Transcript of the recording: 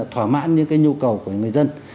thỏa mãn những cái nhu cầu của người dân